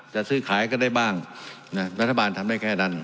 จะซื้อขายกันได้บ้างรัฐบาลทำได้แค่นั้น